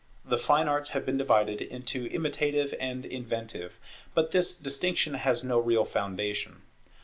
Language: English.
The fine arts have been divided into imitative and inventive; but this distinction has no real foundation.